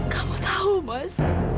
kamu tahu mas